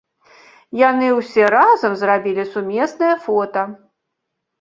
Яны ўсе разам зрабілі сумеснае фота.